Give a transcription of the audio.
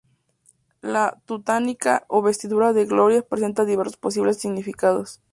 La "túnica o vestidura de gloria" presenta diversos posibles significados.